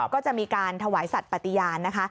ก็จะมีการถวายสัตว์ปฏิญาณนะคะ